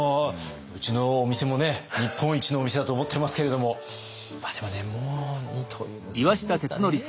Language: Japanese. うちのお店もね日本一のお店だと思っていますけれどもまあでもねもう二刀流難しいですかね。